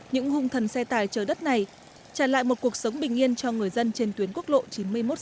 những hung thần xe tải chở đất này trả lại một cuộc sống bình yên cho người dân trên tuyến quốc lộ chín mươi một c